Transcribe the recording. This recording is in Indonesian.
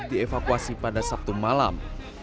dievakuasi pada sabtu malam